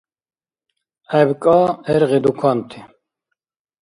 ГӀебка. ГӀергъи дуканти.